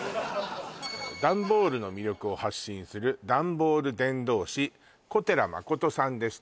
「ダンボールの魅力を発信する」「ダンボール伝道師」小寺誠さんです